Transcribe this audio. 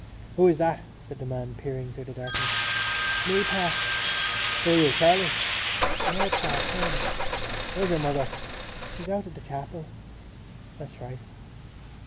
"Who is that?" said the man, peering through the darkness. "Me, pa." "Who are you? Charlie?" "No, pa. Tom." "Where's your mother?" "She's out at the chapel." "That's right....